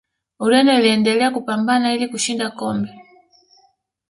ureno iliendelea kupambana ili kushinda kombe